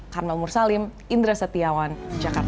karmel mursalim indra setiawan jakarta